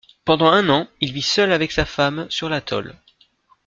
Pendant un an, il vit seul avec sa femme sur l'atoll.